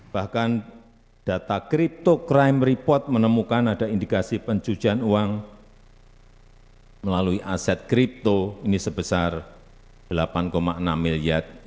bahkan data crypto crime report menemukan ada indikasi pencucian uang melalui aset kripto ini sebesar rp delapan enam miliar